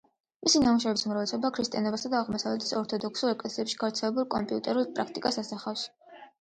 მისი ნამუშევრების უმრავლესობა ქრისტიანობასა და აღმოსავლეთის ორთოდოქსულ ეკლესიებში გავრცელებულ კორუმპირებულ პრაქტიკას ასახავს.